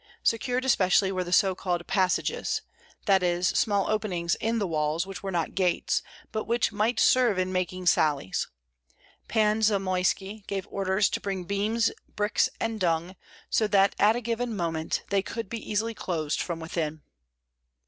Secured especially were the so called "passages;" that is, small openings in the walls, which were not gates, but which might serve in making sallies. Pan Zamoyski gave orders to bring beams, bricks, and dung, so at a given moment they could be easily closed from within.